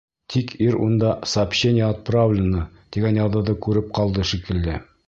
Тик ир унда «Сообщение отправлено» тигән яҙыуҙы күреп ҡалды, шикелле.